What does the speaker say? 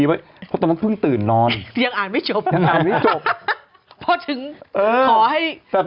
เพราะถึงขอให้